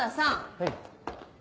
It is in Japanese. はい。